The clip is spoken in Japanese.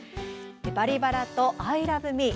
「バリバラ」と「アイラブみー」